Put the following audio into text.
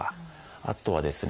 あとはですね